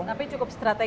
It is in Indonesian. tapi cukup strategis ya